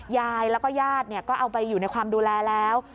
ยายแล้วก็ญาติก็เอาไปอยู่ในความดูแลแล้ว